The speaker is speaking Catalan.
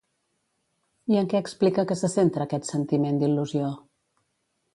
I en què explica que se centra aquest sentiment d'il·lusió?